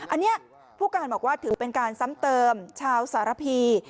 อันนี้ผู้การบอกว่าถือเป็นการซ้ำเติมชาวสารพี